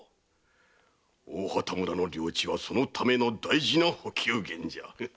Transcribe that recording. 大畑村の領地はそのための大事な補給源じゃ。